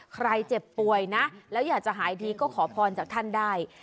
เจ็บป่วยนะแล้วอยากจะหายดีก็ขอพรจากท่านได้